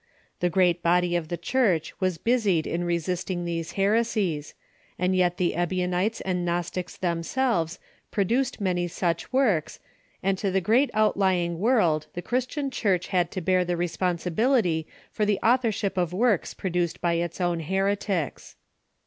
The great body of the Church was busied in resisting these heresies, and yet the Ebionites and Gnostics themselves produced many such works, and to the great outlj'ing world the Christian Church had to bear the responsibility for the authorship of works produced by its own heretics.